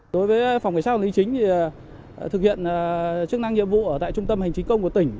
đối với phòng khách sạn lý chính thì thực hiện chức năng nhiệm vụ ở tại trung tâm hành chính công của tỉnh